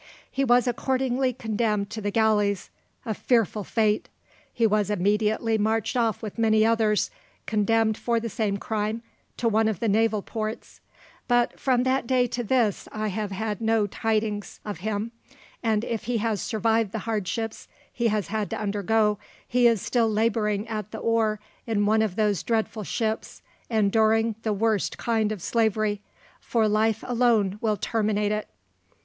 He was accordingly condemned to the galleys, a fearful fate! He was immediately marched off with many others, condemned for the same crime, to one of the naval ports; but from that day to this I have had no tidings of him, and if he has survived the hardships he has had to undergo, he is still labouring at the oar in one of those dreadful ships, enduring the worst kind of slavery, for life alone will terminate it.